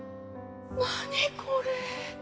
何これ。